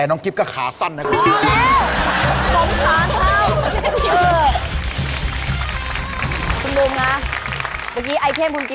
ยังใช้ได้อยู่